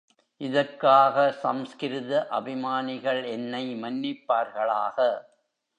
இதற்காக சம்ஸ்கிருத அபிமானிகள் என்னை மன்னிப் பார்களாக.